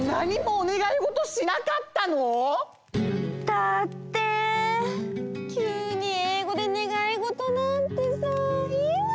だってきゅうにえいごでねがいごとなんてさいえないよ！